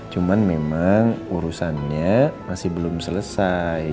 cuman memang urusannya masih belum selesai